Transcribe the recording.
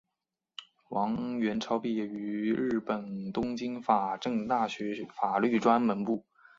王元超毕业于日本东京法政大学法律专门部。